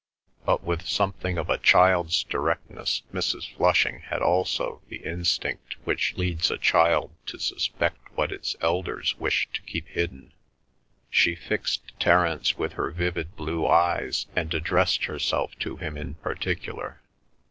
But with something of a child's directness, Mrs. Flushing had also the instinct which leads a child to suspect what its elders wish to keep hidden. She fixed Terence with her vivid blue eyes and addressed herself to him in particular.